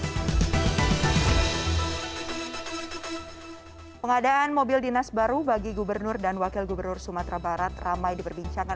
hai pengadaan mobil dinas baru bagi gubernur dan wakil gubernur sumatera barat ramai diperbincangkan